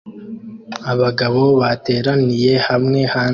Abagabo bateraniye hamwe hanze